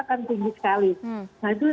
akan tinggi sekali nah itu